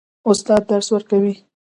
استاد درس ورکوي.